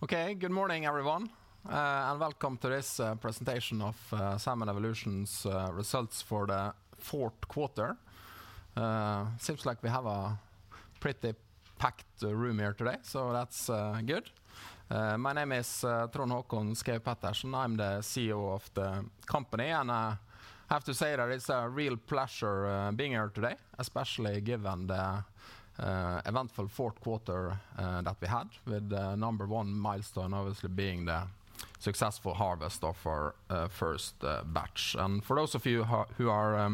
Okay, good morning, everyone, and welcome to this presentation of Salmon Evolution's results for the Q4. Seems like we have a pretty packed room here today, that's good. My name is Trond Håkon Schaug-Pettersen. I'm the CEO of the company, I have to say that it's a real pleasure being here today, especially given the eventful Q4 that we had with the number one milestone obviously being the successful harvest of our 1st batch. For those of you who are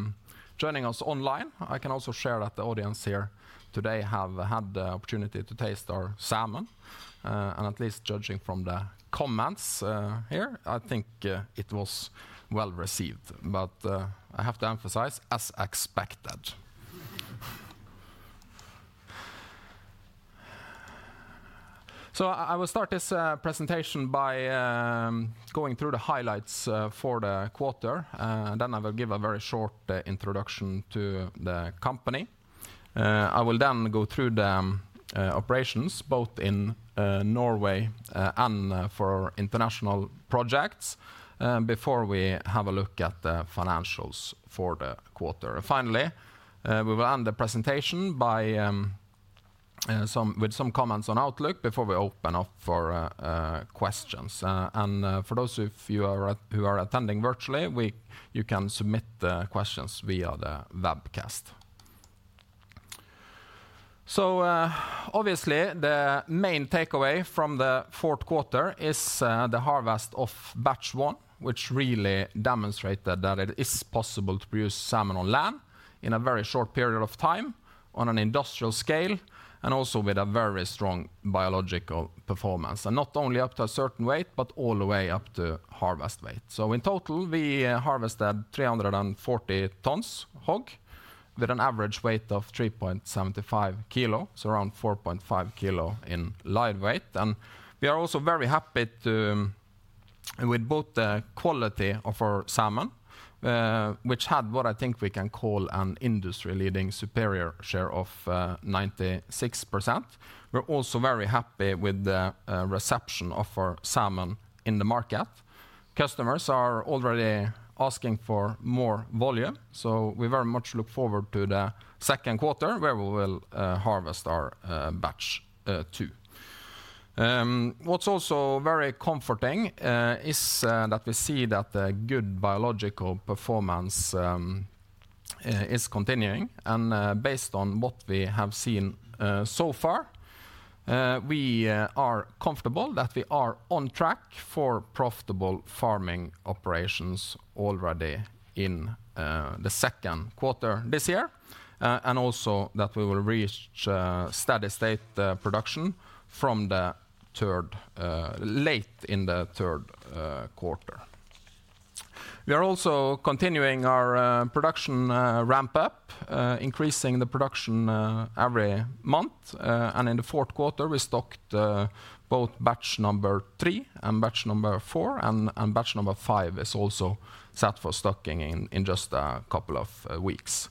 joining us online, I can also share that the audience here today have had the opportunity to taste our salmon, and at least judging from the comments here, I think it was well-received. I have to emphasize, as expected. I will start this presentation by going through the highlights for the quarter, then I will give a very short introduction to the company. I will then go through the operations both in Norway and for international projects before we have a look at the financials for the quarter. Finally, we will end the presentation by with some comments on outlook before we open up for questions. For those of you who are attending virtually, you can submit the questions via the webcast. Obviously the main takeaway from the Q4 is the harvest of batch one, which really demonstrated that it is possible to produce salmon on land in a very short period of time on an industrial scale, and also with a very strong biological performance. Not only up to a certain weight, but all the way up to harvest weight. In total, we harvested 340 tons hog, with an average weight of 3.75 kg, so around 4.5 kg in live weight. We are also very happy with both the quality of our salmon, which had what I think we can call an industry-leading Superior share of 96%. We're also very happy with the reception of our salmon in the market. Customers are already asking for more volume. We very much look forward to the Q2 where we will harvest our batch two. What's also very comforting is that we see that the good biological performance is continuing. Based on what we have seen so far, we are comfortable that we are on track for profitable farming operations already in the Q2 this year. Also that we will reach steady state production from late in the Q3. We are also continuing our production ramp up, increasing the production every month. In the Q4, we stocked both batch number three and batch number four and batch number five is also set for stocking in just a couple of weeks.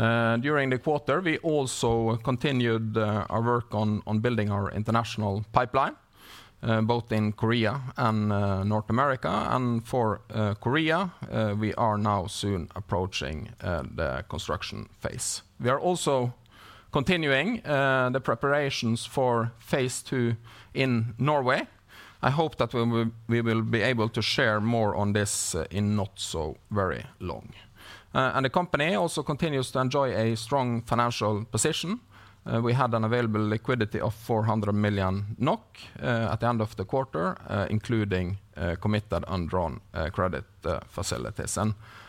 During the quarter, we also continued our work on building our international pipeline both in Korea and North America. For Korea, we are now soon approaching the construction phase. We are also continuing the preparations for phase II in Norway. I hope that we will be able to share more on this in not so very long. The company also continues to enjoy a strong financial position. We had an available liquidity of 400 million NOK at the end of the quarter, including committed and drawn credit facilities.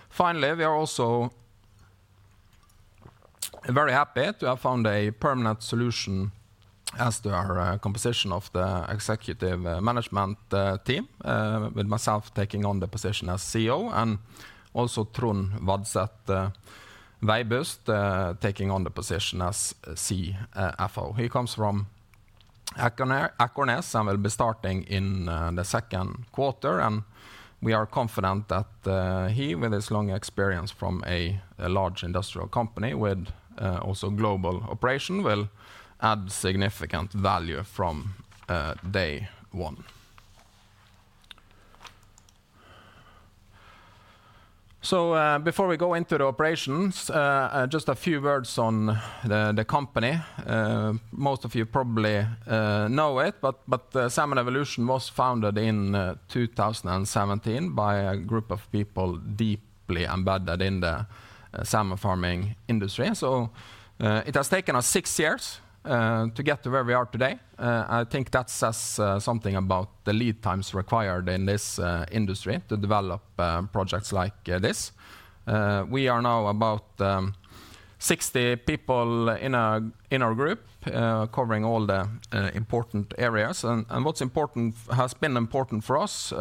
Finally, we are also very happy to have found a permanent solution as to our composition of the executive management team, with myself taking on the position as CEO and also Trond Vadset Veibust taking on the position as CFO. He comes from Aker NES and will be starting in the Q2. We are confident that he, with his long experience from a large industrial company with also global operation, will add significant value from day one. Before we go into the operations, just a few words on the company. Most of you probably know it, but Salmon Evolution was founded in 2017 by a group of people deeply embedded in the salmon farming industry. It has taken us six years to get to where we are today. I think that says something about the lead times required in this industry to develop projects like this. We are now about 60 people in our group, covering all the important areas. What has been important for us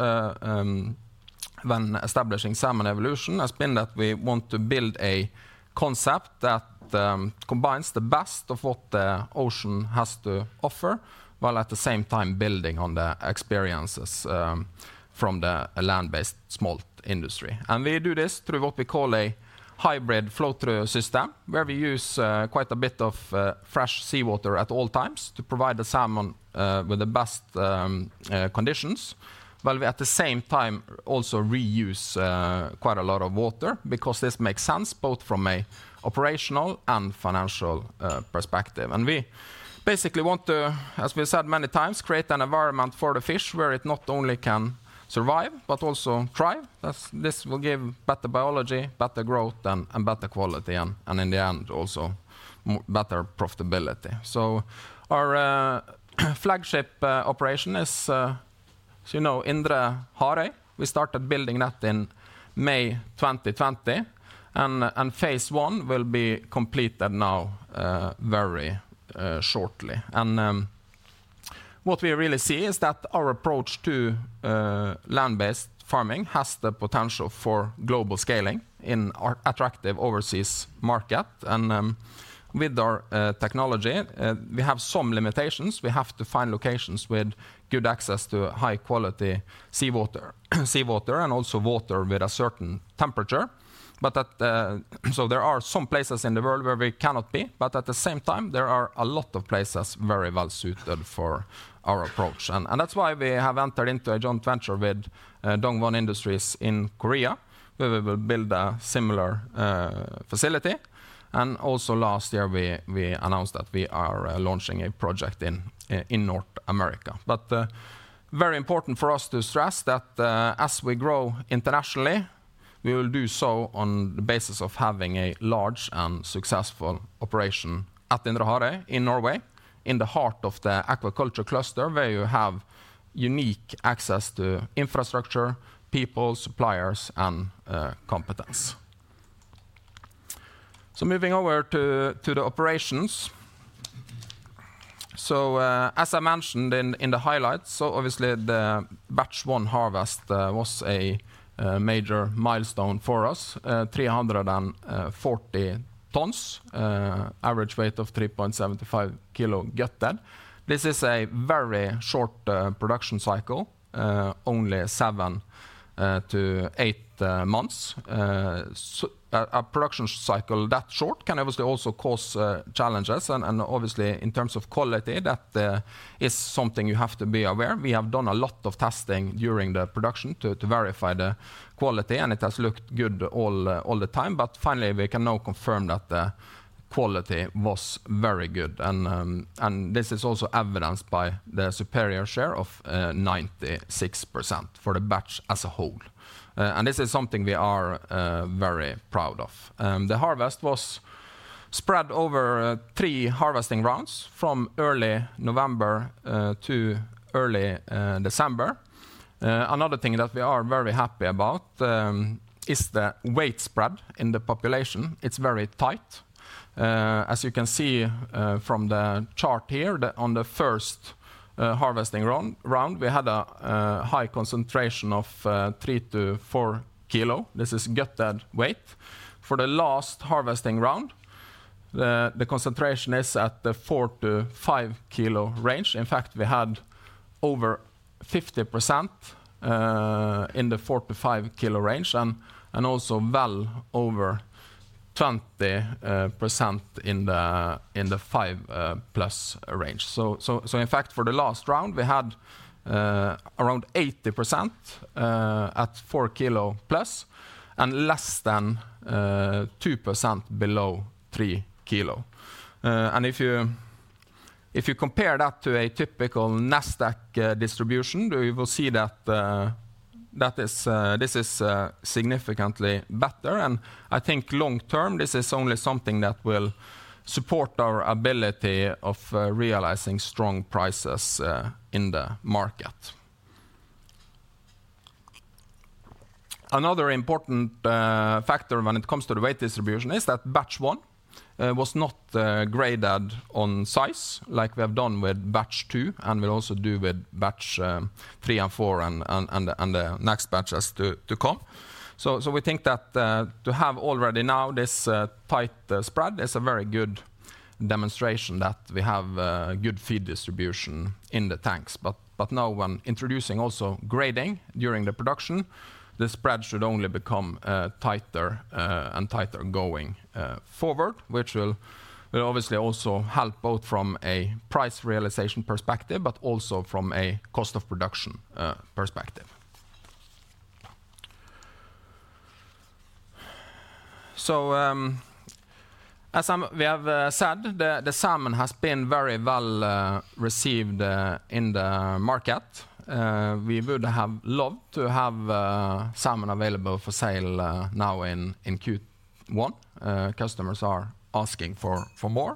when establishing Salmon Evolution has been that we want to build a concept that combines the best of what the ocean has to offer, while at the same time building on the experiences from the land-based smolt industry. We do this through what we call a hybrid flow-through system, where we use quite a bit of fresh seawater at all times to provide the salmon with the best conditions, while we at the same time also reuse quite a lot of water because this makes sense both from an operational and financial perspective. We basically want to, as we said many times, create an environment for the fish where it not only can survive, but also thrive. This will give better biology, better growth and better quality, and in the end, also better profitability. Our flagship operation is, as you know, Indre Harøy. We started building that in May 2020 and phase I will be completed now very shortly. What we really see is that our approach to land-based farming has the potential for global scaling in our attractive overseas market. With our technology, we have some limitations. We have to find locations with good access to high quality seawater and also water with a certain temperature. There are some places in the world where we cannot be, but at the same time, there are a lot of places very well suited for our approach. That's why we have entered into a joint venture with Dongwon Industries in Korea, where we will build a similar facility. Also last year, we announced that we are launching a project in North America. Very important for us to stress that as we grow internationally, we will do so on the basis of having a large and successful operation at Indre Harøy in Norway, in the heart of the aquaculture cluster, where you have unique access to infrastructure, people, suppliers and competence. Moving over to the operations. As I mentioned in the highlights, so obviously the batch one harvest was a major milestone for us. 340 tons, average weight of 3.75 kg gutted. This is a very short production cycle, only seven to eight months. A production cycle that short can obviously also cause challenges and obviously in terms of quality, that is something you have to be aware. We have done a lot of testing during the production to verify the quality, and it has looked good all the time. Finally, we can now confirm that the quality was very good. This is also evidenced by the Superior share of 96% for the batch as a whole. This is something we are very proud of. The harvest was spread over three harvesting rounds from early November to early December. Another thing that we are very happy about is the weight spread in the population. It's very tight. As you can see from the chart here, on the 1st harvesting round, we had a high concentration of 3-4 kg. This is gutted weight. For the last harvesting round, the concentration is at the 4-5 kg range. In fact, we had over 50% in the 4-5 kg range and also well over 20% in the five plus range. In fact, for the last round, we had around 80% at 4 kg plus and less than 2% below 3 kg. If you compare that to a typical Nasdaq distribution, we will see that that is this is significantly better. I think long term, this is only something that will support our ability of realizing strong prices in the market. Another important factor when it comes to the weight distribution is that batch one was not graded on size like we have done with batch two and we'll also do with batch three and four and the next batches to come. We think that to have already now this tight spread is a very good demonstration that we have good feed distribution in the tanks. Now when introducing also grading during the production, the spread should only become tighter and tighter going forward, which will obviously also help both from a price realization perspective, but also from a cost of production perspective. As we have said, the salmon has been very well received in the market. We would have loved to have salmon available for sale now in Q2. Customers are asking for more.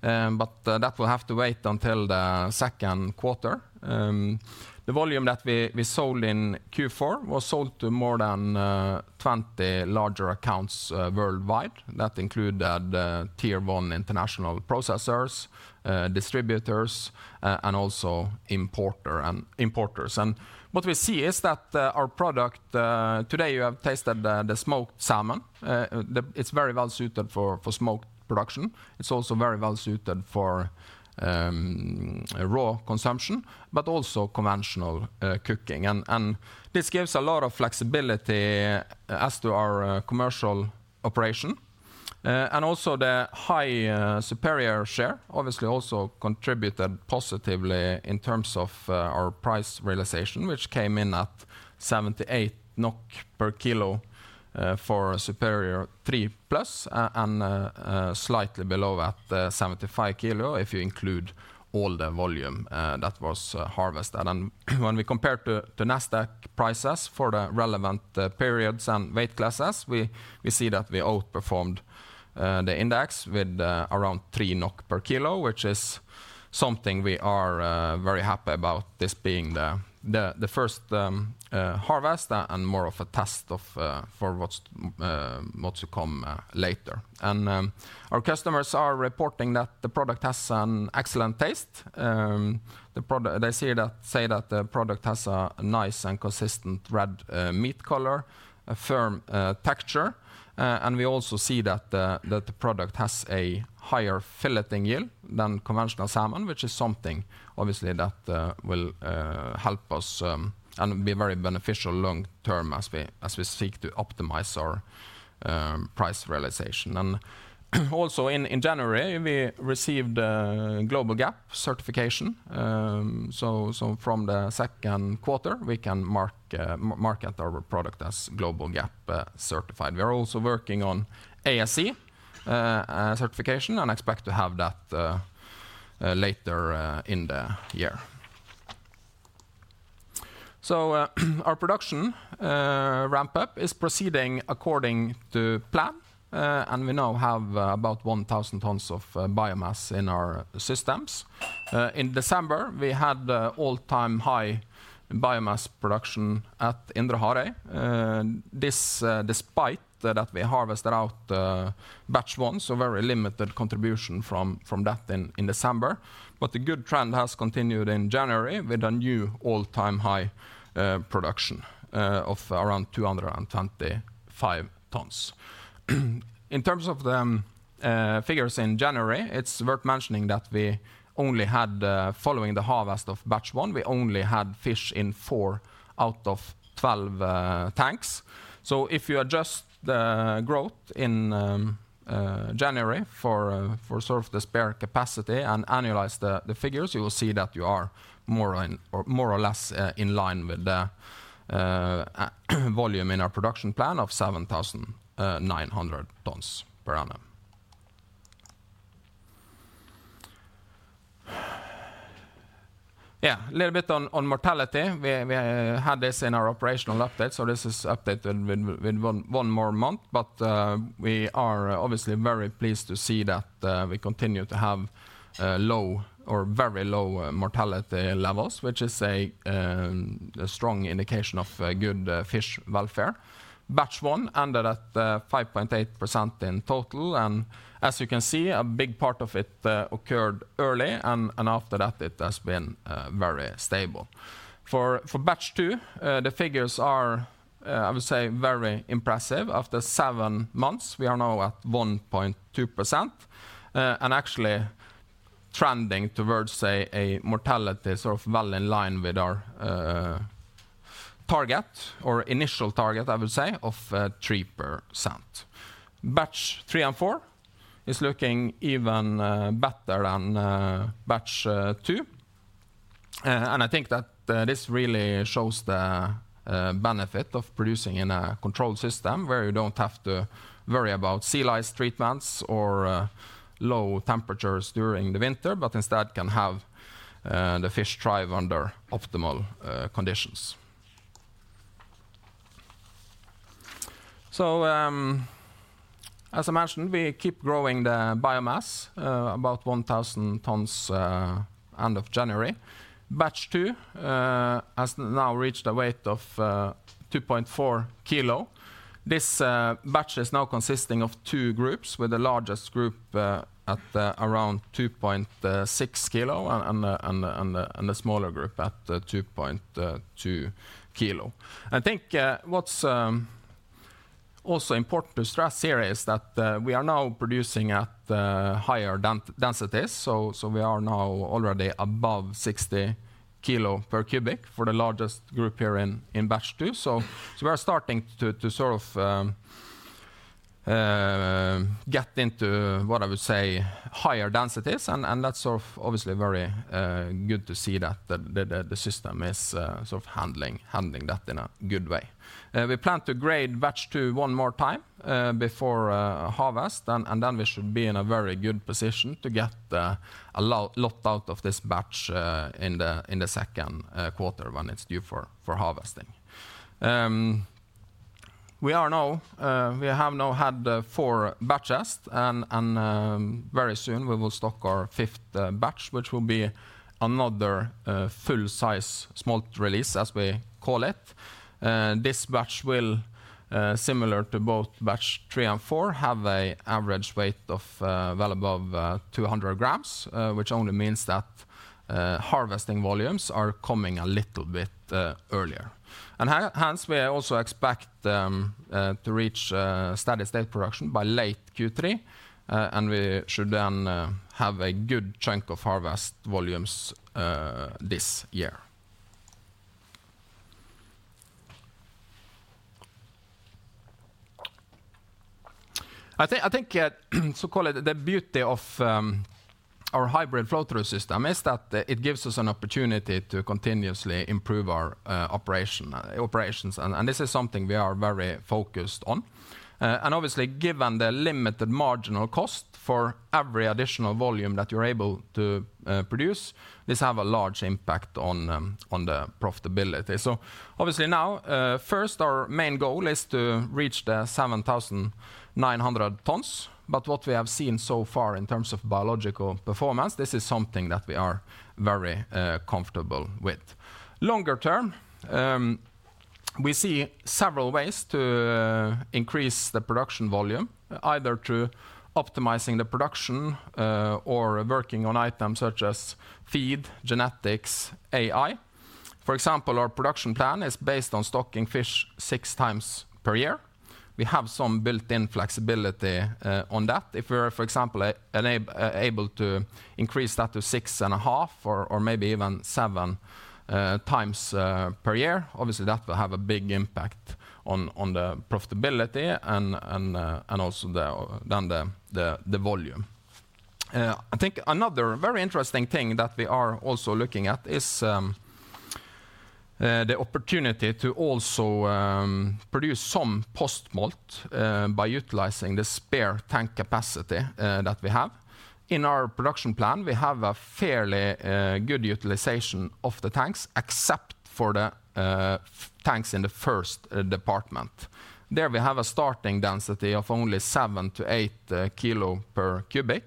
That will have to wait until the Q2. The volume that we sold in Q4 was sold to more than 20 larger accounts worldwide. That include the tier one international processors, distributors, and also importers. What we see is that our product today you have tasted the smoked salmon. It's very well suited for smoke production. It's also very well suited for raw consumption, but also conventional cooking. This gives a lot of flexibility as to our commercial operation. Also the high Superior share obviously also contributed positively in terms of our price realization, which came in at 78 NOK per kilo for Superior 3+, and slightly below at 75 NOK per kilo if you include all the volume that was harvested. When we compare to the Nasdaq prices for the relevant periods and weight classes, we see that we outperformed the index with around 3 NOK per kilo, which is something we are very happy about this being the 1st harvest and more of a test for what's to come later. Our customers are reporting that the product has an excellent taste. They say that the product has a nice and consistent red meat color, a firm texture. We also see that the product has a higher filleting yield than conventional salmon, which is something obviously that will help us and be very beneficial long term as we seek to optimize our price realization. Also in January, we received a GLOBALG.A.P. certification. From the Q2, we can market our product as GLOBALG.A.P. certified. We are also working on ASC certification and expect to have that later in the year. Our production ramp-up is proceeding according to plan, and we now have about 1,000 tons of biomass in our systems. In December, we had the all-time high biomass production at Indre Harøy. This despite that we harvested out the batch one, so very limited contribution from that then in December. The good trend has continued in January with a new all-time high production of around 225 tons. In terms of the figures in January, it's worth mentioning that we only had, following the harvest of batch one, we only had fish in four out of 12 tanks. If you adjust the growth in January for sort of the spare capacity and annualize the figures, you will see that you are more or less in line with the volume in our production plan of 7,900 tons per annum. A little bit on mortality. We had this in our operational update. This is updated with one more month. We are obviously very pleased to see that we continue to have low or very low mortality levels, which is a strong indication of good fish welfare. Batch 1 ended at 5.8% in total, and as you can see, a big part of it occurred early and after that it has been very stable. For Batch 2, the figures are, I would say, very impressive. After 7 months, we are now at 1.2%, and actually trending towards, say, a mortality sort of well in line with our target or initial target, I would say, of 3%. Batch 3 and 4 is looking even better than batch 2. I think that this really shows the benefit of producing in a controlled system where you don't have to worry about sea lice treatments or low temperatures during the winter, but instead can have the fish thrive under optimal conditions. As I mentioned, we keep growing the biomass about 1,000 tons end of January. Batch 2 has now reached a weight of 2.4 kilo. This batch is now consisting of 2 groups, with the largest group at around 2.6 kilo and the smaller group at 2.2 kilo. I think what's also important to stress here is that we are now producing at higher densities. We are now already above 60 kg/m³ for the largest group here in batch two. We are starting to sort of get into what I would say higher densities, and that's sort of obviously very good to see that the system is sort of handling that in a good way. We plan to grade batch one more time before harvest. Then we should be in a very good position to get a lot out of this batch in the Q2 when it's due for harvesting. We are now, we have now had four batches and, very soon we will stock our 5th batch, which will be another full size smolt release, as we call it. This batch will, similar to both batch three and four, have an average weight of, well above, 200 g, which only means that harvesting volumes are coming a little bit earlier. Hence, we also expect to reach steady-state production by late Q3. We should then have a good chunk of harvest volumes this year. I think, call it the beauty of our hybrid flow-through system is that it gives us an opportunity to continuously improve our operations. This is something we are very focused on. Obviously, given the limited marginal cost for every additional volume that you're able to produce, this have a large impact on the profitability. Obviously now, 1st, our main goal is to reach the 7,900 tons. What we have seen so far in terms of biological performance, this is something that we are very comfortable with. Longer term, we see several ways to increase the production volume, either through optimizing the production, or working on items such as feed, genetics, AI. For example, our production plan is based on stocking fish six times per year. We have some built-in flexibility on that. If we're, for example, able to increase that to 6.5 or maybe even seven times per year, obviously that will have a big impact on the profitability and also the, then the volume. I think another very interesting thing that we are also looking at is the opportunity to also produce some post-smolt by utilizing the spare tank capacity that we have. In our production plan, we have a fairly good utilization of the tanks, except for the tanks in the 1st department. There we have a starting density of only 7-8 kg/m³.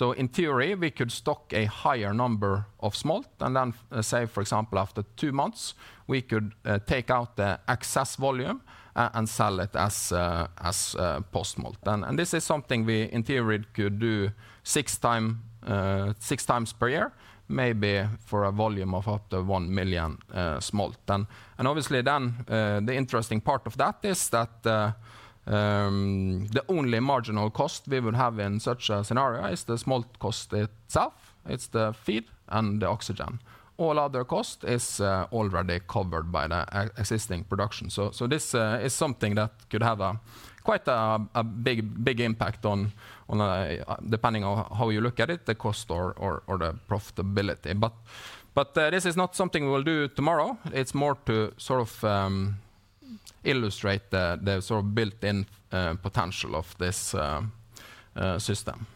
In theory, we could stock a higher number of smolt and then, say, for example, after two months, we could take out the excess volume and sell it as post-smolt. This is something we, in theory, could do six times per year, maybe for a volume of up to 1 million smolt. Obviously then, the interesting part of that is that the only marginal cost we would have in such a scenario is the smolt cost itself. It's the feed and the oxygen. All other cost is already covered by the existing production. This is something that could have quite a big impact on, depending on how you look at it, the cost or the profitability. This is not something we will do tomorrow. It's more to sort of illustrate the sort of built-in potential of this system.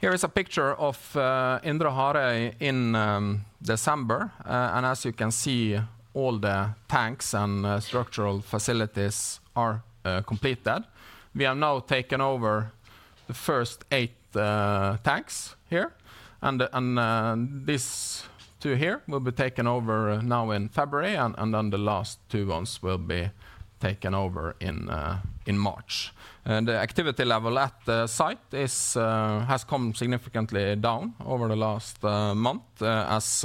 Here is a picture of Indre Harøy in December. As you can see, all the tanks and structural facilities are completed. We have now taken over the 1st eight tanks here, and these two here will be taken over now in February, and then the last two ones will be taken over in March. The activity level at the site is has come significantly down over the last month, as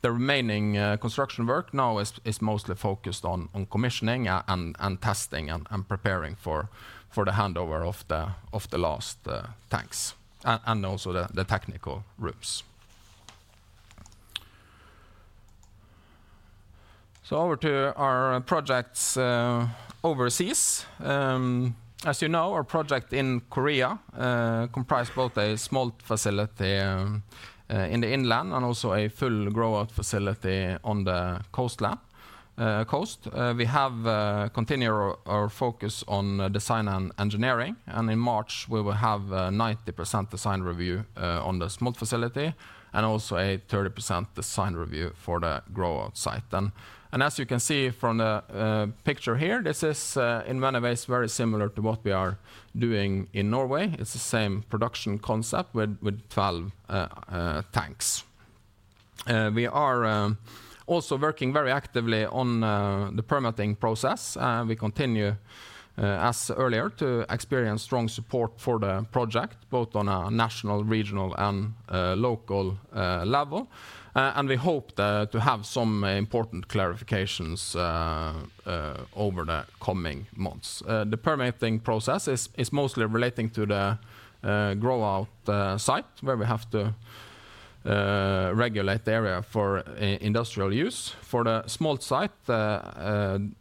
the remaining construction work now is mostly focused on commissioning and testing and preparing for the handover of the last tanks and also the technical rooms. Over to our projects overseas. As you know, our project in Korea comprise both a smolt facility in the inland and also a full grow-out facility on the coastline, coast. We have continued our focus on design and engineering, and in March, we will have a 90% design review on the smolt facility and also a 30% design review for the grow-out site. As you can see from the picture here, this is in many ways very similar to what we are doing in Norway. It's the same production concept with 12 tanks. We are also working very actively on the permitting process. We continue as earlier to experience strong support for the project, both on a national, regional and local level. We hope to have some important clarifications over the coming months. The permitting process is mostly relating to the grow-out site, where we have to regulate the area for industrial use. For the smolt site, the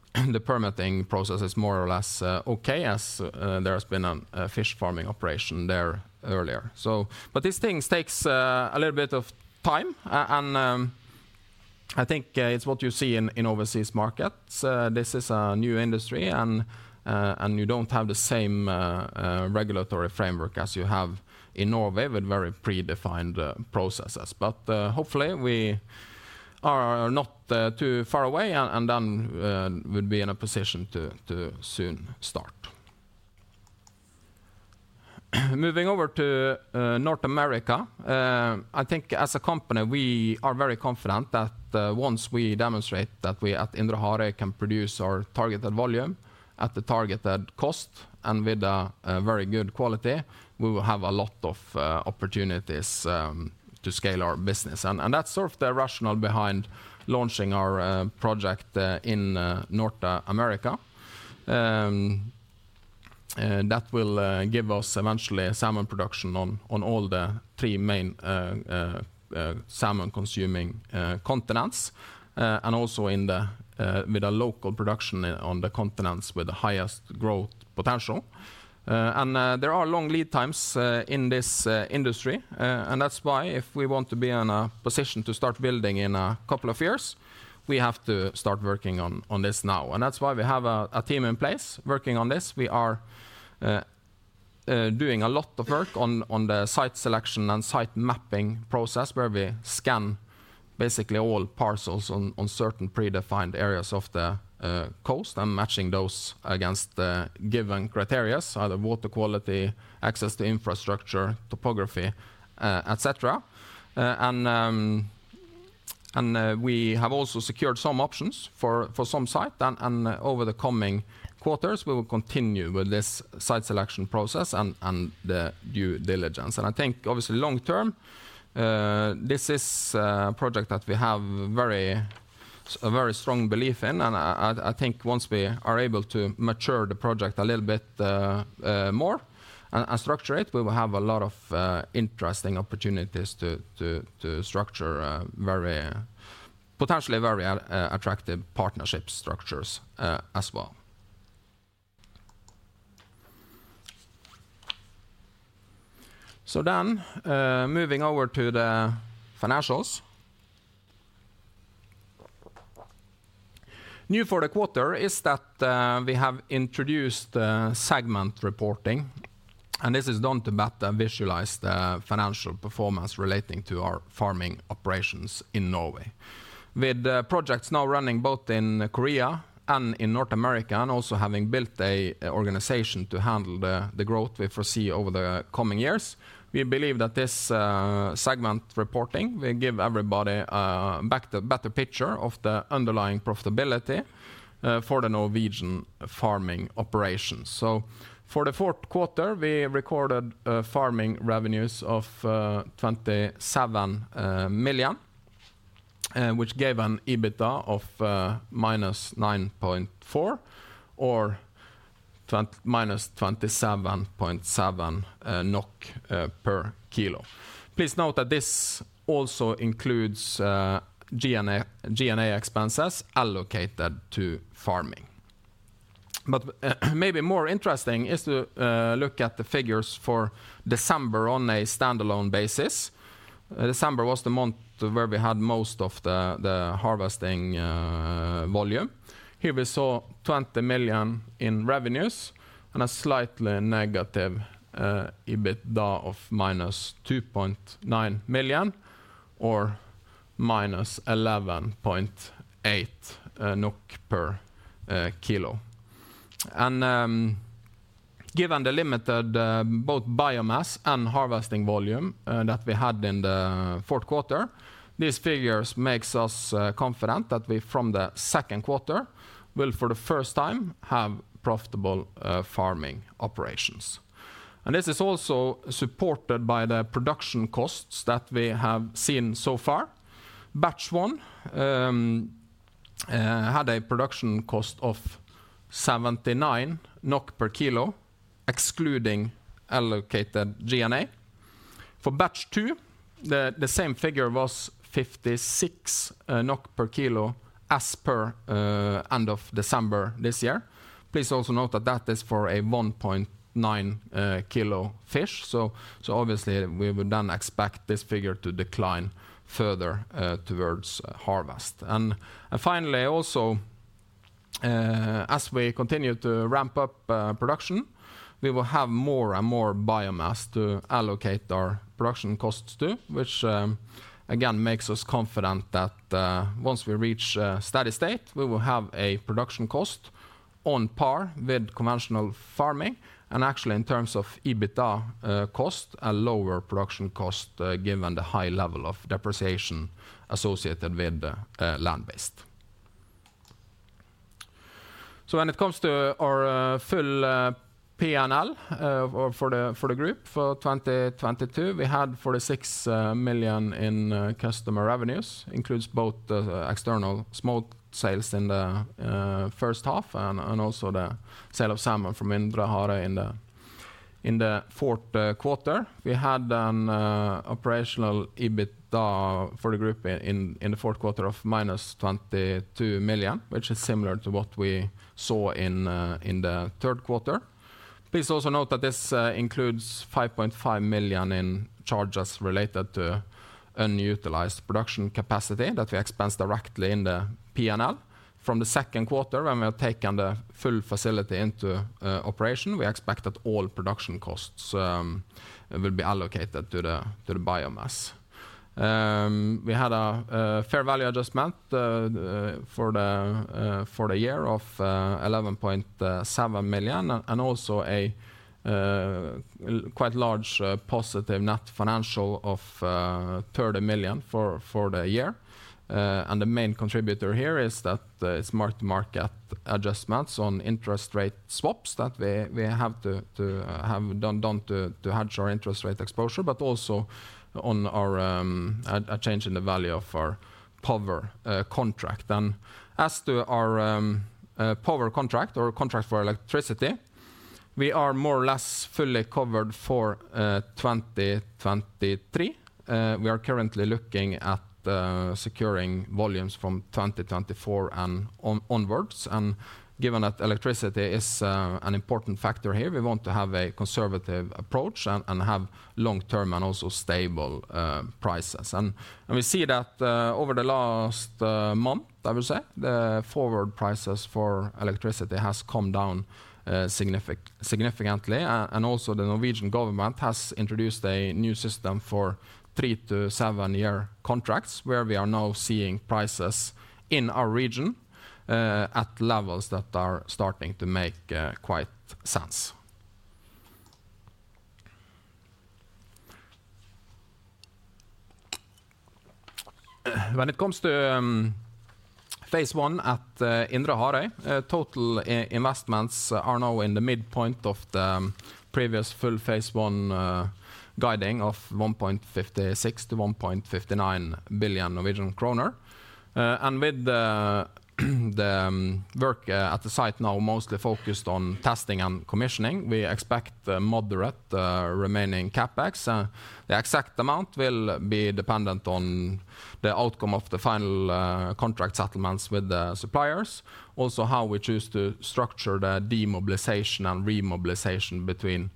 permitting process is more or less okay as there has been a fish farming operation there earlier. But these things takes a little bit of time and I think it's what you see in overseas markets. This is a new industry and you don't have the same regulatory framework as you have in Norway with very predefined processes. Hopefully we are not too far away and then we'd be in a position to soon start. Moving over to North America, I think as a company, we are very confident that once we demonstrate that we at Indre Harøy can produce our targeted volume at the targeted cost and with a very good quality, we will have a lot of opportunities to scale our business. That's sort of the rationale behind launching our project in North America. That will give us eventually a salmon production on all the three main salmon-consuming continents. Also in the with a local production on the continents with the highest growth potential. There are long lead times in this industry. That's why if we want to be in a position to start building in a couple of years, we have to start working on this now. That's why we have a team in place working on this. We are doing a lot of work on the site selection and site mapping process, where we scan basically all parcels on certain predefined areas of the coast and matching those against the given criteria, either water quality, access to infrastructure, topography, et cetera. We have also secured some options for some site. Over the coming quarters, we will continue with this site selection process and the due diligence. I think obviously long term, this is a project that we have a very strong belief in. I think once we are able to mature the project a little bit more and structure it, we will have a lot of interesting opportunities to structure potentially very attractive partnership structures as well. Moving over to the financials. New for the quarter is that we have introduced a segment reporting, and this is done to better visualize the financial performance relating to our farming operations in Norway. With the projects now running both in Korea and in North America, and also having built a organization to handle the growth we foresee over the coming years, we believe that this segment reporting will give everybody a better picture of the underlying profitability for the Norwegian farming operations. For the Q4, we recorded farming revenues of 27 million, which gave an EBITDA of -9.4 or -27.7 NOK per kg. Please note that this also includes G&A expenses allocated to farming. Maybe more interesting is to look at the figures for December on a standalone basis. December was the month where we had most of the harvesting volume. Here we saw 20 million in revenues and a slightly negative EBITDA of minus 2.9 million or minus 11.8 NOK per kg. Given the limited both biomass and harvesting volume that we had in the Q4, these figures makes us confident that we from the Q2 will, for the 1st time, have profitable farming operations. This is also supported by the production costs that we have seen so far. Batch one had a production cost of 79 NOK per kg, excluding allocated G&A. For batch two, the same figure was 56 NOK per kilo as per end of December this year. Please also note that that is for a 1.9 kg fish. Obviously we would then expect this figure to decline further, towards harvest. Finally also, as we continue to ramp up production, we will have more and more biomass to allocate our production costs to. Which, again, makes us confident that once we reach steady state, we will have a production cost on par with conventional farming. And actually in terms of EBITDA, cost a lower production cost, given the high level of depreciation associated with the land-based. When it comes to our full P&L for the group for 2022, we had 46 million in customer revenues. Includes both the external smoked sales in the H1 and also the sale of salmon from Indre Harøy. In the Q4, we had an operational EBITDA for the group in the Q4 of -22 million, which is similar to what we saw in the Q3. Please also note that this includes 5.5 million in charges related to unutilized production capacity that we expense directly in the P&L. From the Q2, when we have taken the full facility into operation, we expect that all production costs will be allocated to the biomass. We had a fair value adjustment for the year of 11.7 million and also a quite large positive net financial of 30 million for the year. The main contributor here is that the mark-to-market adjustments on interest rate swaps that we have to hedge our interest rate exposure, but also on our a change in the value of our power contract. As to our power contract or contract for electricity, we are more or less fully covered for 2023. We are currently looking at securing volumes from 2024 onwards. Given that electricity is an important factor here, we want to have a conservative approach and have long-term and also stable prices. Also, the Norwegian government has introduced a new system for three-to-seven-year contracts where we are now seeing prices in our region at levels that are starting to make quite sense. When it comes to phase I at Indre Harøy, total e-investments are now in the midpoint of the previous full phase I guiding of 1.56 billion-1.59 billion Norwegian kroner. With the work at the site now mostly focused on testing and commissioning, we expect a moderate remaining CapEx. The exact amount will be dependent on the outcome of the final contract settlements with the suppliers. How we choose to structure the demobilization and remobilization between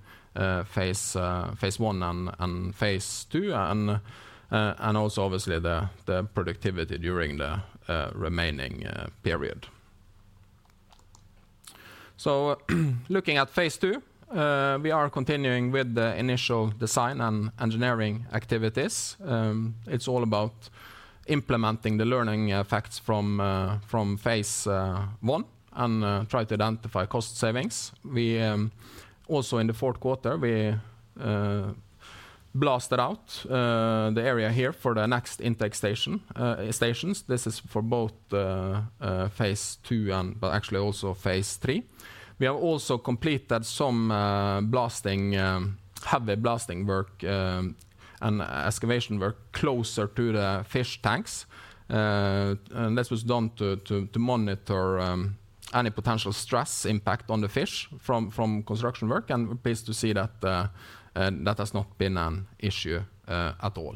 phase I and phase II, and also obviously the productivity during the remaining period. Looking at phase II, we are continuing with the initial design and engineering activities. It's all about implementing the learning effects from phase I and try to identify cost savings. We also in the Q4, we blasted out the area here for the next intake stations. This is for both phase II and but actually also phase III. We have also completed some blasting, heavy blasting work, and excavation work closer to the fish tanks. This was done to monitor any potential stress impact on the fish from construction work, and I'm pleased to see that has not been an issue at all.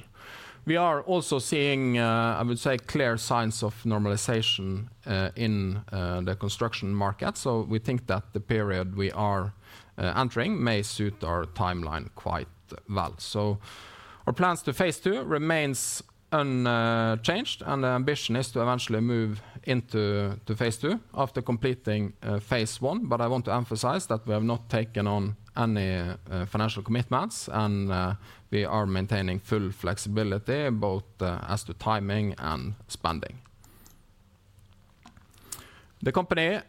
We are also seeing, I would say, clear signs of normalization in the construction market. Our plans to phase II remains unchanged, and our ambition is to eventually move into the phase II after completing phase I. I want to emphasize that we have not taken on any financial commitments, and we are maintaining full flexibility, both as to timing and spending. The company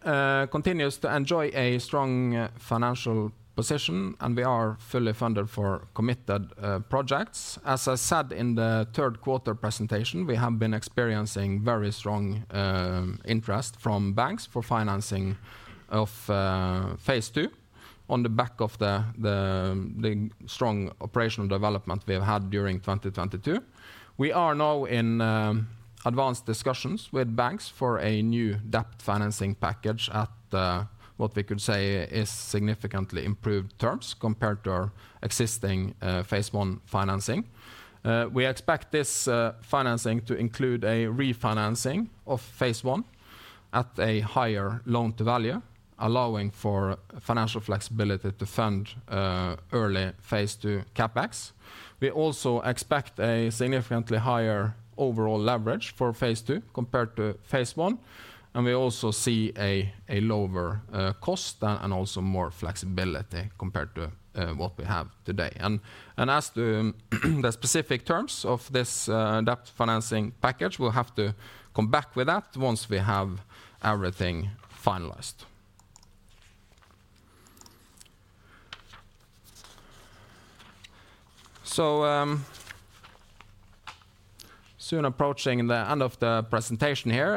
continues to enjoy a strong financial position, and we are fully funded for committed projects. As I said in the Q3 presentation, we have been experiencing very strong interest from banks for financing of phase II on the back of the strong operational development we have had during 2022. We are now in advanced discussions with banks for a new debt financing package at what we could say is significantly improved terms compared to our existing phase I financing. We expect this financing to include a refinancing of phase I at a higher loan-to-value, allowing for financial flexibility to fund early phase II CapEx. We also expect a significantly higher overall leverage for phase II compared to phase I, and we also see a lower cost and also more flexibility compared to what we have today. As to the specific terms of this debt financing package, we'll have to come back with that once we have everything finalized. Soon approaching the end of the presentation here.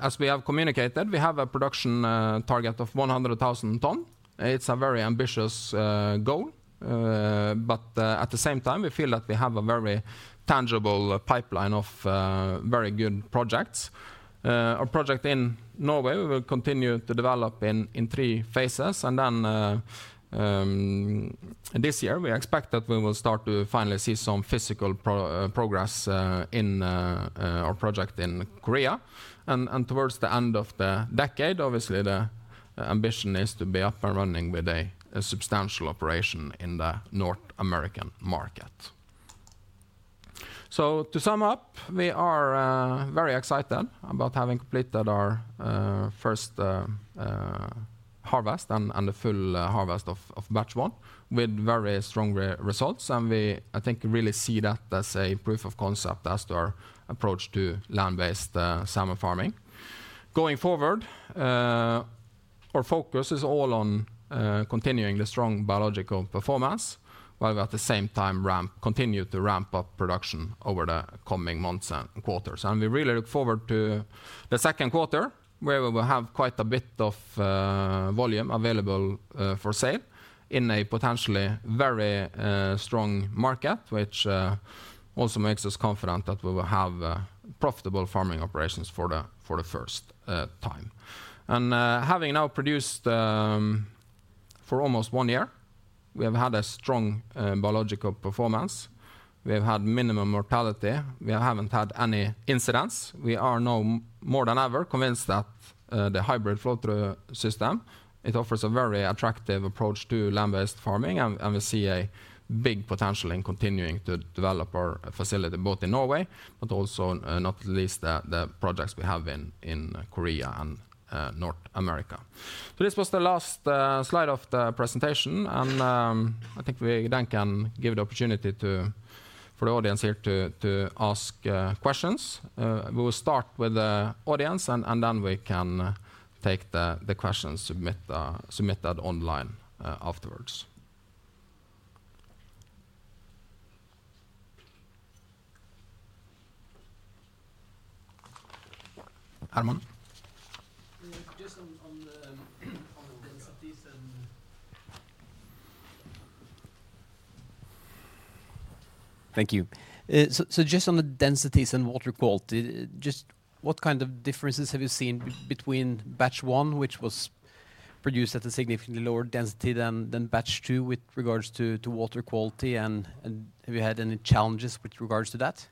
As we have communicated, we have a production target of 100,000 tons. It's a very ambitious goal. But, at the same time, we feel that we have a very tangible pipeline of very good projects. Our project in Norway, we will continue to develop in three phases. This year, we expect that we will start to finally see some physical progress in our project in Korea. Towards the end of the decade, obviously the ambition is to be up and running with a substantial operation in the North American market. To sum up, we are very excited about having completed our 1st harvest and the full harvest of batch one with very strong re-results. We, I think, really see that as a proof of concept as to our approach to land-based salmon farming. Going forward, our focus is all on continuing the strong biological performance, while at the same time continue to ramp up production over the coming months and quarters. We really look forward to the Q2, where we will have quite a bit of volume available for sale in a potentially very strong market, which also makes us confident that we will have profitable farming operations for the 1st time. Having now produced for almost one year, we have had a strong biological performance. We have had minimum mortality. We haven't had any incidents. We are now more than ever convinced that the hybrid flow-through system, it offers a very attractive approach to land-based farming and we see a big potential in continuing to develop our facility both in Norway, but also not least the projects we have in Korea and North America. This was the last slide of the presentation, and I think we then can give the opportunity for the audience here to ask questions. We will start with the audience and then we can take the questions submitted online afterwards. Harmon? Just on the densities and. Thank you. Just on the densities and water quality, just what kind of differences have you seen between batch one, which was produced at a significantly lower density than batch two with regards to water quality and have you had any challenges with regards to that?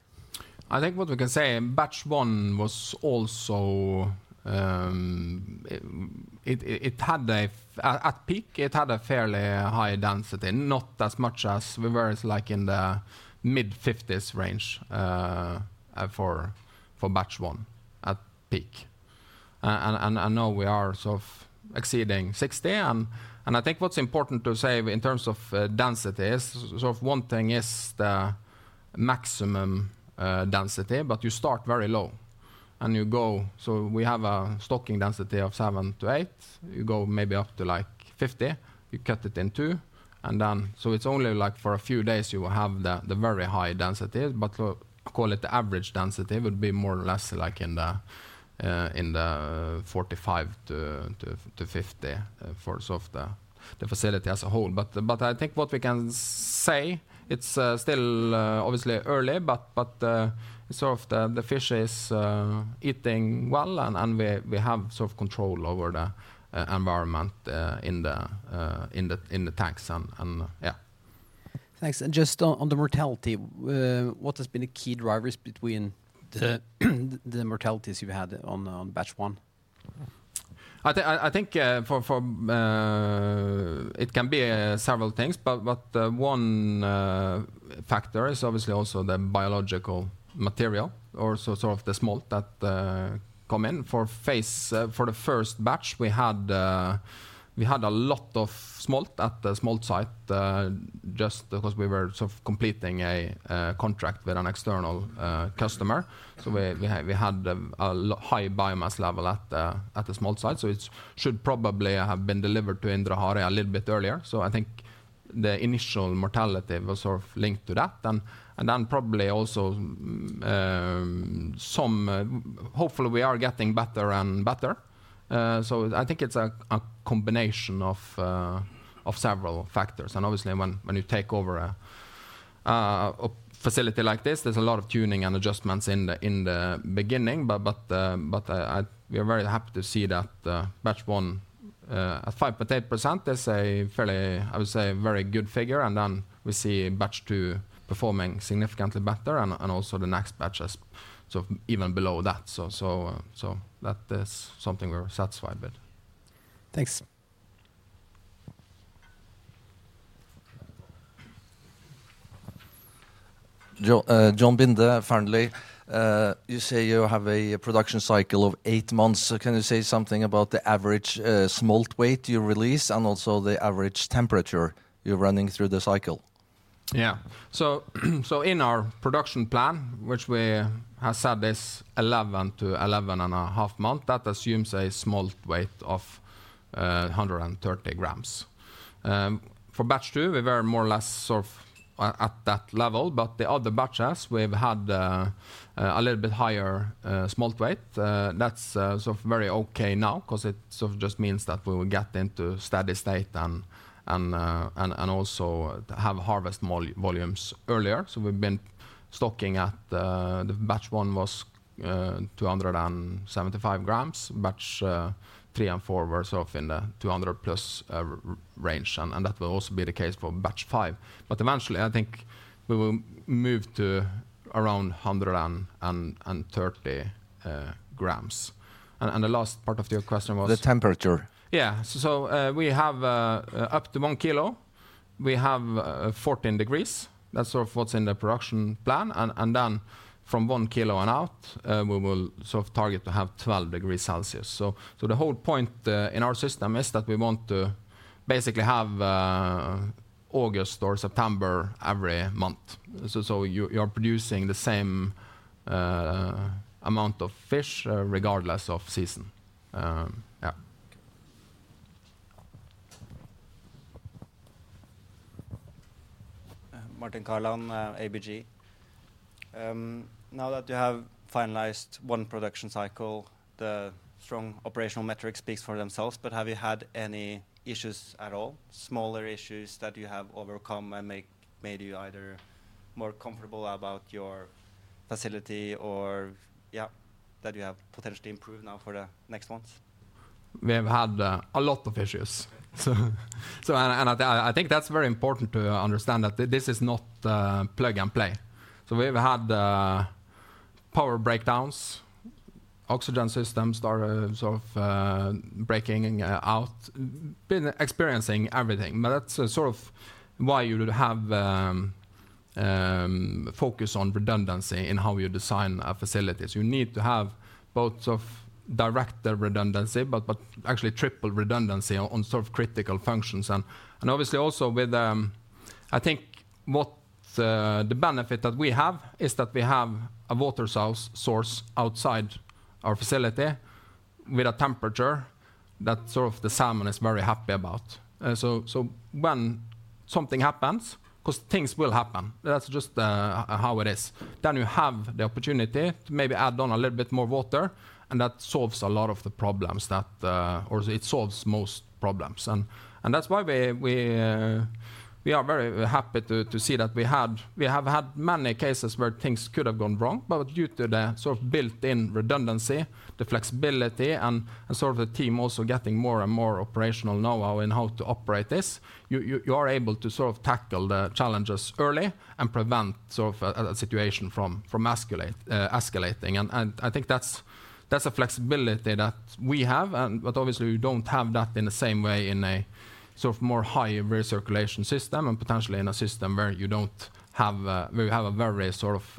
I think what we can say, batch one was also. At peak, it had a fairly high density, not as much as we were as like in the mid-50s range for batch one at peak. Now we are sort of exceeding 60. I think what's important to say in terms of density is sort of one thing is the maximum density, but you start very low and you go. We have a stocking density of seven to eight. You go maybe up to like 50. You cut it in two and then. It's only like for a few days you will have the very high density. We'll call it the average density would be more or less like in the 45 to 50 for sort of the facility as a whole. I think what we can say, it's still obviously early, but sort of the fish is eating well, and we have sort of control over the environment in the tanks and yeah. Thanks. Just on the mortality, what has been the key drivers between the mortalities you've had on batch one? I think for. It can be several things, but one factor is obviously also the biological material or sort of the smolt that come in. For phase for the 1st batch, we had a lot of smolt at the smolt site, just because we were sort of completing a contract with an external customer. We had a high biomass level at the smolt site, so it should probably have been delivered to Indre Harøy a little bit earlier. I think the initial mortality was sort of linked to that. Probably also some. Hopefully we are getting better and better. I think it's a combination of several factors. Obviously when you take over a facility like this, there's a lot of tuning and adjustments in the beginning. We are very happy to see that batch one at 5.8% is a fairly, I would say, very good figure. Then we see batch two performing significantly better and also the next batch is sort of even below that. That is something we're satisfied with. Thanks. John Binde, Fearnley. You say you have a production cycle of eight months. Can you say something about the average smolt weight you release and also the average temperature you're running through the cycle? In our production plan, which we have said is 11-11.5 month, that assumes a smolt weight of 130 g. For batch two, we were more or less sort of at that level, but the other batches we've had a little bit higher smolt weight. That's sort of very okay now 'cause it sort of just means that we will get into steady state and also have harvest volumes earlier. We've been stocking at the batch one was 275 g. Batch three and four were sort of in the 200 g plus range, and that will also be the case for batch five. Eventually, I think we will move to around 130 g. The last part of your question was? The temperature. Yeah. We have up to 1 kg, we have 14°C. That's sort of what's in the production plan. From 1 kilo and out, we will sort of target to have 12°C. The whole point in our system is that we want to basically have August or September every month. You're producing the same amount of fish regardless of season. Yeah. Okay. Martin Kaland, ABG. Now that you have finalized one production cycle, the strong operational metrics speaks for themselves, have you had any issues at all, smaller issues that you have overcome and made you either more comfortable about your facility or, yeah, that you have potentially improved now for the next months? We have had a lot of issues. Okay. I think that's very important to understand that this is not plug and play. We've had power breakdowns, oxygen systems started sort of breaking out, been experiencing everything. That's sort of why you would have focus on redundancy in how you design facilities. You need to have both of direct redundancy, but actually triple redundancy on sort of critical functions. Obviously also with. I think what the benefit that we have is that we have a water source outside our facility with a temperature that sort of the salmon is very happy about. When something happens, because things will happen, that's just how it is, then you have the opportunity to maybe add on a little bit more water, and that solves a lot of the problems that or it solves most problems. That's why we are very happy to see that we have had many cases where things could have gone wrong, but due to the sort of built-in redundancy, the flexibility and sort of the team also getting more and more operational know-how in how to operate this, you are able to sort of tackle the challenges early and prevent sort of a situation from escalating. I think that's a flexibility that we have, but obviously we don't have that in the same way in a sort of more high recirculation system and potentially in a system where you don't have we have a very sort of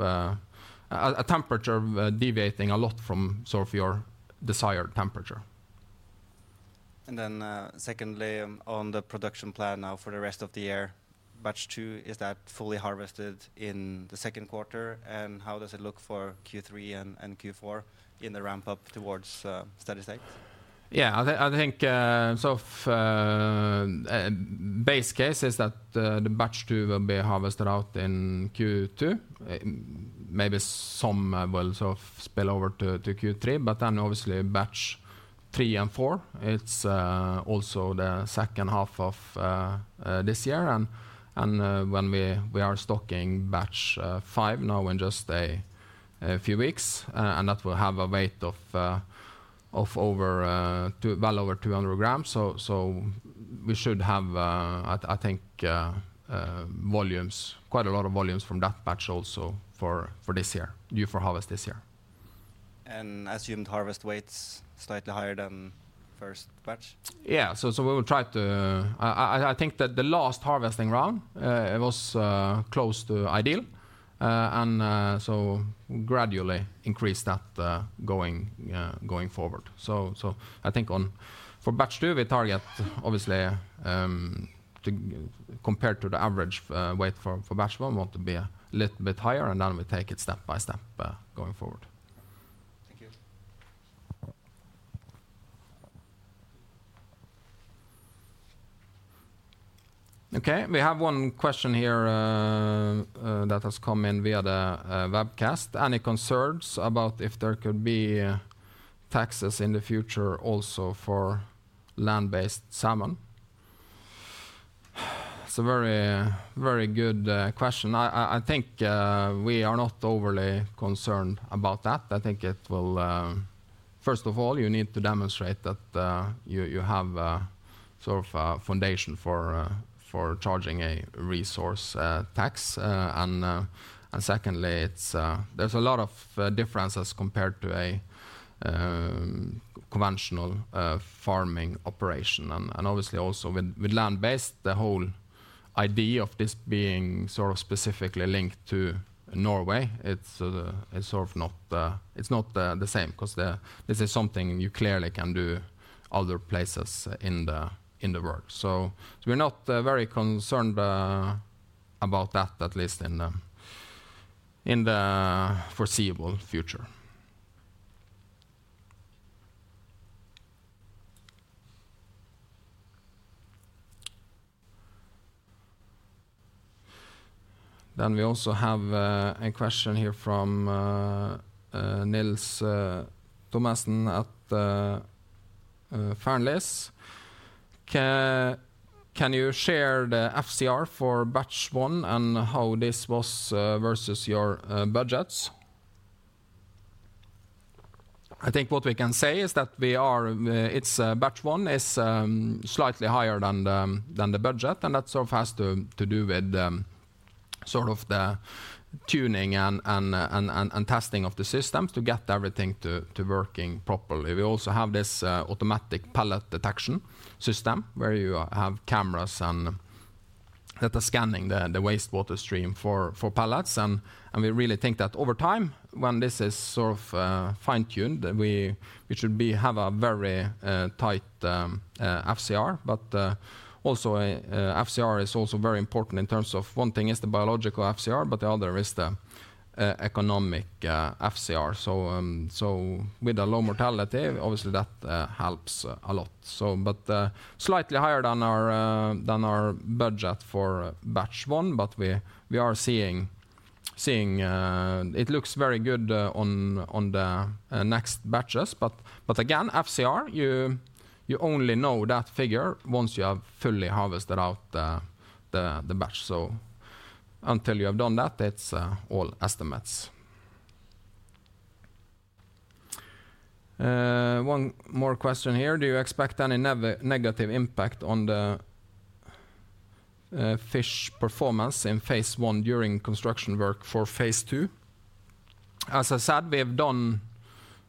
a temperature deviating a lot from sort of your desired temperature. Secondly, on the production plan now for the rest of the year, batch two, is that fully harvested in the Q2? How does it look for Q3 and Q4 in the ramp up towards, steady state? Yeah. I think sort of base case is that the batch two will be harvested out in Q2. Maybe some will sort of spill over to Q3. Obviously, batch three and four, it's also the H2 of this year. When we are stocking batch five now in just a few weeks, and that will have a weight of over well over 200 g. We should have, I think, volumes, quite a lot of volumes from that batch also for this year, due for harvest this year. Assumed harvest weight's slightly higher than 1st batch? Yeah. We will try to. I think that the last harvesting round, it was close to ideal, and so gradually increase that going forward. I think for batch two, we target obviously, compared to the average weight for batch one, want to be a little bit higher and then we take it step by step going forward. Thank you. Okay. We have one question here that has come in via the webcast. Any concerns about if there could be taxes in the future also for land-based salmon? It's a very good question. I think we are not overly concerned about that. I think it will. First of all, you need to demonstrate that you have sort of a foundation for charging a resource tax. Secondly, there's a lot of differences compared to a conventional farming operation. Obviously also with land-based, the whole idea of this being sort of specifically linked to Norway, it's sort of not the same 'cause this is something you clearly can do other places in the world. We're not very concerned about that, at least in the foreseeable future. We also have a question here from Nils Thommesen at Fearnley's. Can you share the FCR for batch one and how this was versus your budgets? I think what we can say is that batch one is slightly higher than the budget, and that sort of has to do with sort of the tuning and testing of the systems to get everything working properly. We also have this automatic pellet detection system where you have cameras that are scanning the wastewater stream for pellets. We really think that over time, when this is sort of fine-tuned, we should have a very tight FCR. Also, a FCR is also very important in terms of one thing is the biological FCR, but the other is the economic FCR. With the low mortality, obviously that helps a lot. Slightly higher than our than our budget for batch 1. We are seeing it looks very good on the next batches. Again, FCR, you only know that figure once you have fully harvested out the batch. Until you have done that, it's all estimates. One more question here. Do you expect any negative impact on the fish performance in phase I during construction work for phase II? As I said, we have done,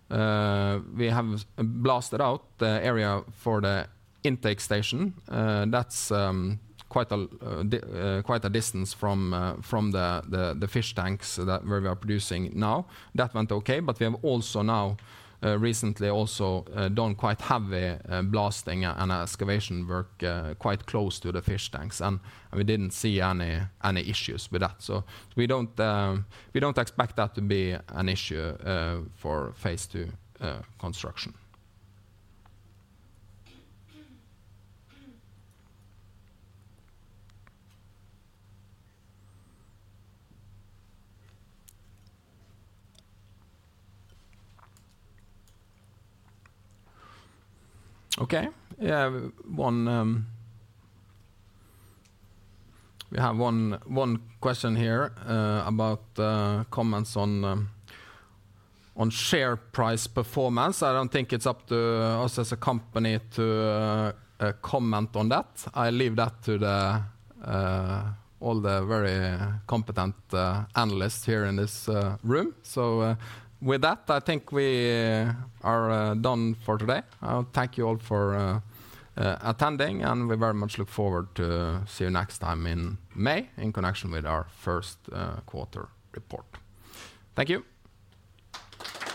we have blasted out the area for the intake station. That's quite a distance from the fish tanks where we are producing now. That went okay. We have also now recently also done quite heavy blasting and excavation work quite close to the fish tanks, and we didn't see any issues with that. We don't expect that to be an issue for phase II construction. Okay. We have one question here, about comments on share price performance. I don't think it's up to us as a company to comment on that. I leave that to the all the very competent analysts here in this room. With that, I think we are done for today. I'll thank you all for attending, and we very much look forward to see you next time in May in connection with our Q1 report. Thank you.